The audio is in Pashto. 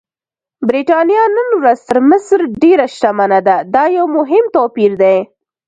برېټانیا نن ورځ تر مصر ډېره شتمنه ده، دا یو مهم توپیر دی.